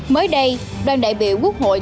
mới đây đoàn đại biểu quốc hội